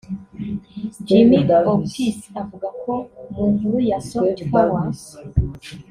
Jimmy Opis avuga ko mu nkuru ya Soft Power